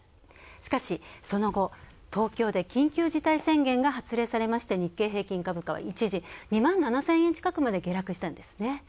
しかし、その後、東京で緊急事態宣言が発令されまして、日経平均株価、一時２万７０００円近くまで下落したんですね。